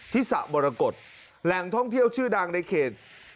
สระบรกฏแหล่งท่องเที่ยวชื่อดังในเขต